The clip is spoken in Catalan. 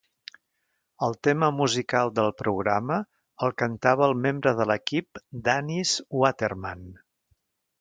El tema musical del programa el cantava el membre de l'equip Dannis Waterman.